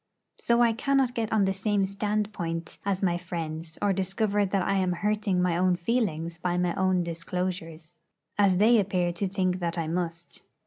So I cannot get on the same standpoint as my friends, or discover that I am hurting my own feelings by my own disclosures, as they appear to think that I must.